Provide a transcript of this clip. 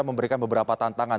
memberikan beberapa tantangan